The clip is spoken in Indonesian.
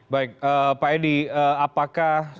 baik pak edi apakah